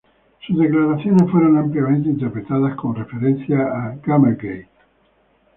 Sus declaraciones fueron ampliamente interpretadas como referencias a Gamergate.